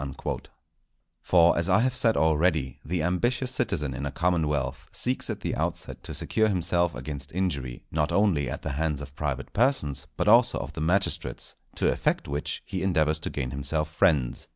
_" For, as I have said already, the ambitious citizen in a commonwealth seeks at the outset to secure himself against injury, not only at the hands of private persons, but also of the magistrates; to effect which he endeavours to gain himself friends.